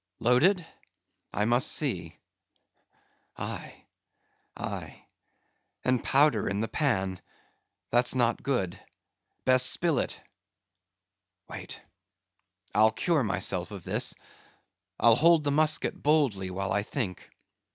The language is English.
Loaded? I must see. Aye, aye; and powder in the pan;—that's not good. Best spill it?—wait. I'll cure myself of this. I'll hold the musket boldly while I think.